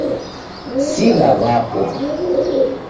Sigha wapo